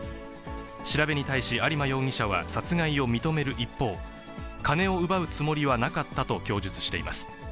調べに対し、有馬容疑者は殺害を認める一方、金を奪うつもりはなかったと供述しています。